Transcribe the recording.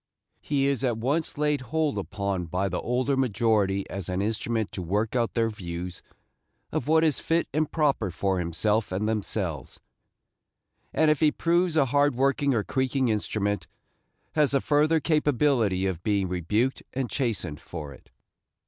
He is at once laid hold upon by the older majority as an instrument to work out their views of what is fit and proper for himself and themselves; and if he proves a hard working or creaking instrument, has the further capability of being rebuked and chastened for it.